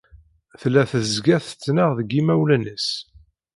Tella tezga tettnaɣ d yimawlan-is.